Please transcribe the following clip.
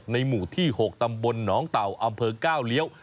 หมู่ที่๖ตำบลหนองเต่าอำเภอก้าวเลี้ยว